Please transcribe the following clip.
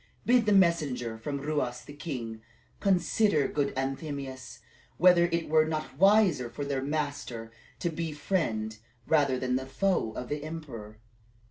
Bid the messengers from Ruas the king consider, good Anthemius, whether it were not wiser for their master to be the friend rather than the foe of the emperor.